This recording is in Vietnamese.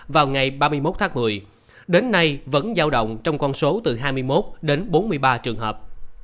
vào ngày ba mươi một tháng một mươi đến nay vẫn giao động trong con số từ hai mươi một đến bốn mươi ba trường hợp